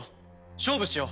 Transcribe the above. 勝負しよう。